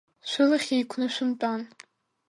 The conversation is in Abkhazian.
Шәылахь еиқәны шәымтәан.